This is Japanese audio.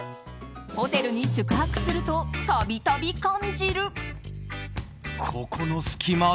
ホテルに宿泊すると度々感じる。